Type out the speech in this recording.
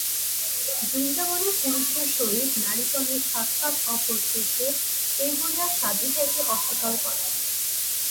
বৃন্দাবনে পুরুষের সহিত নারীগণের সাক্ষাৎ অকর্তব্য, এই বলিয়া সাধু যাইতে অস্বীকার করেন।